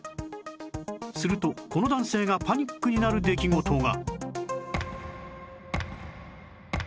するとこの男性がパニックになる出来事が